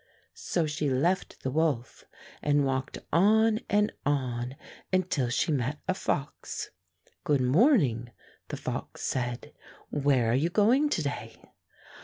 So she left the wolf and walked on and on until she met a fox. "Good morning," the fox said; "where are you going to day.